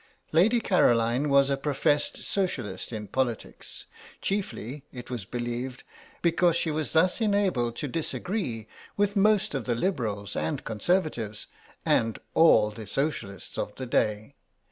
Lady Caroline was a professed Socialist in politics, chiefly, it was believed, because she was thus enabled to disagree with most of the Liberals and Conservatives, and all the Socialists of the day.